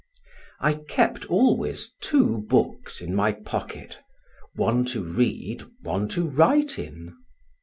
I kept always two books in my pocket, one to read, one to write in.